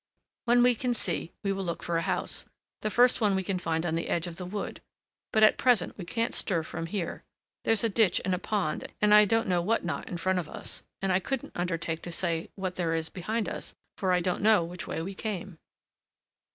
When we can see, we will look for a house, the first one we can find on the edge of the wood; but at present we can't stir from here; there's a ditch and a pond and I don't know what not in front of us; and I couldn't undertake to say what there is behind us, for I don't know which way we came."